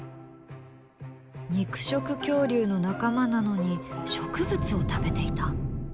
肉食恐竜の仲間なのに植物を食べていた？